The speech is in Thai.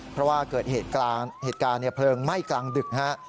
เพราะว่าเกิดเหตุการณ์เหตุการณ์เนี่ยเพลิงไหม้กลางดึกฮะ